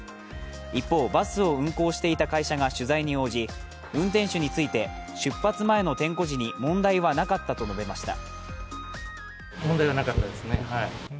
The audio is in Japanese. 一方、バスを運行していた会社が取材に応じ運転手について、出発前の点呼時に問題はなかったと述べました。